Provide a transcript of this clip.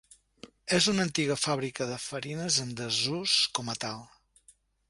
És una antiga fàbrica de farines en desús com a tal.